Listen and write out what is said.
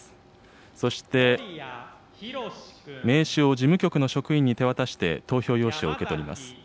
そして、名紙を事務局の職員に手渡して、投票用紙を受け取ります。